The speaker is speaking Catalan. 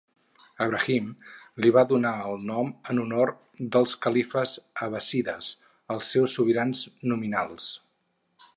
Ibrahim li va donar el nom en honor dels califes abbàssides, els seus sobirans nominals.